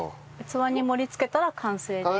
器に盛り付けたら完成です。